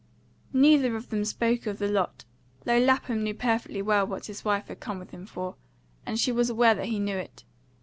Neither of them spoke of the lot, though Lapham knew perfectly well what his wife had come with him for, and she was aware that he knew it.